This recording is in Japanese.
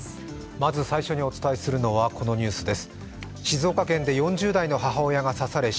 まず最初にお伝えするのはこのニュースです。